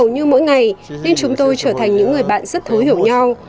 như mỗi ngày nên chúng tôi trở thành những người bạn rất thối hiểu nhau